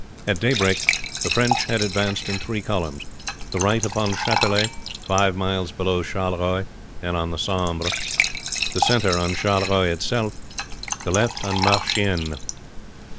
At daybreak the French had advanced in three columns the right upon Chatelet, five miles below Charleroi, on the Sambre; the center on Charleroi itself; the left on Marchienne.